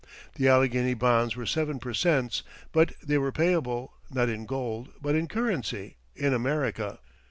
The Allegheny bonds were seven per cents, but they were payable, not in gold, but in currency, in America.